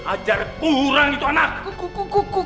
ajar kurang itu anak